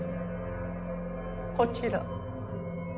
こちら。